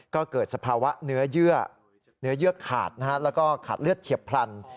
ก็เกิดสภาวะเนื้อเยื่อขาดแล้วก็ขาดเลือดเฉียบพลัน